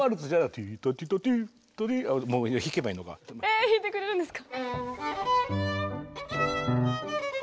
え弾いてくれるんですか。